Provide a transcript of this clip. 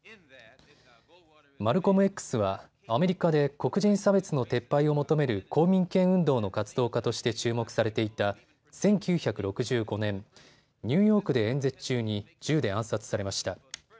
マルコムＸはアメリカで黒人差別の撤廃を求める公民権運動の活動家として注目されていた１９６５年、ニューヨークで演説中に銃で暗殺されました。